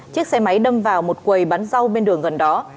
chiếc xe máy đâm vào một quầy bán rau bên đường gần đó